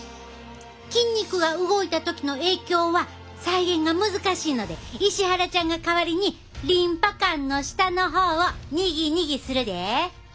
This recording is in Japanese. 筋肉が動いた時の影響は再現が難しいので石原ちゃんが代わりにリンパ管の下の方をニギニギするで。